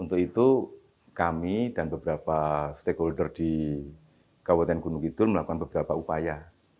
untuk itu kami dan beberapa stakeholder di kabupaten gunung kidul melakukan beberapa upaya